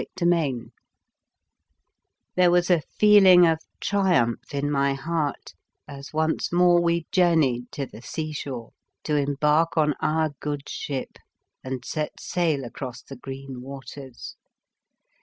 Chapter VI THERE was a feeling of triumph in my heart as once more we jour neyed to the sea shore, to embark on our good ship and set sail across the green waters.